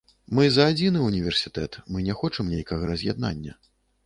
Мы за адзіны ўніверсітэт, мы не хочам нейкага раз'яднання.